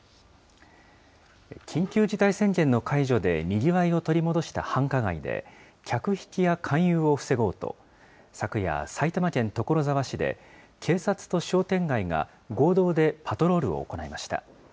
緊急事態宣言の解除でにぎわいを取り戻した繁華街で、客引きや勧誘を防ごうと、昨夜、埼玉県所沢市で、警察と商店街が合同でパトロールを行いました。